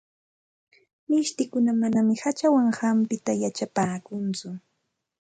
Mishtikuna manam hachawan hampita yachapaakunchu.